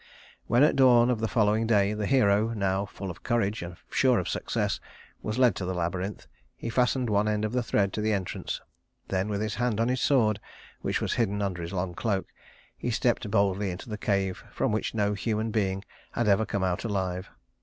When at dawn of the following day the hero, now full of courage and sure of success, was led to the labyrinth, he fastened one end of the thread to the entrance. Then, with his hand on his sword, which was hidden under his long cloak, he stepped boldly into the cave from which no human being had ever come out alive.